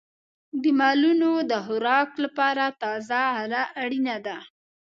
د مالونو د خوراک لپاره تازه غله اړینه ده.